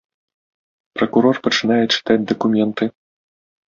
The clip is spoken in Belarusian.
Пракурор пачынае чытаць дакументы.